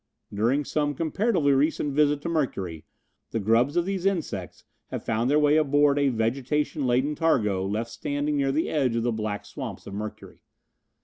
During some comparatively recent visit to Mercury the grubs of these insects have found their way abroad a vegetation laden targo left standing near the edge of the black swamps of Mercury.